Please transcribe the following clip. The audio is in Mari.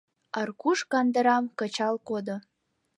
Аркуш кандырам кычал кодо.